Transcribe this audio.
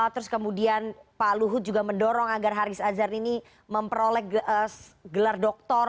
terus kemudian pak luhut juga mendorong agar haris azhar ini memperoleh gelar doktor